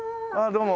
どうも。